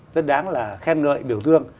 rất đáng là khen ngợi biểu thương